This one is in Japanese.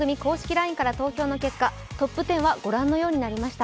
ＬＩＮＥから投票の結果トップ１０はご覧のようになりました。